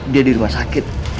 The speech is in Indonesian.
dia di rumah sakit